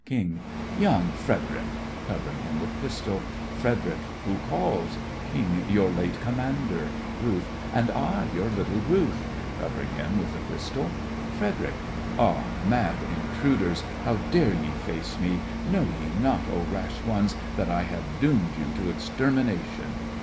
KING: Young Frederic! (Covering him with pistol) FREDERIC: Who calls? KING: Your late commander! RUTH: And I, your little Ruth! (Covering him with pistol) FREDERIC: Oh, mad intruders, How dare ye face me? Know ye not, oh rash ones, That I have doomed you to extermination?